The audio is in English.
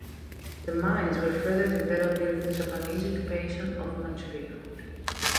The mines were further developed during the Japanese occupation of Manchuria.